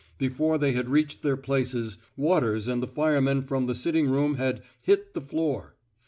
Before they had reached their places. Waters and the firemen from the sitting room had hit the floor."